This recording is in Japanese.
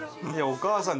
お母さん。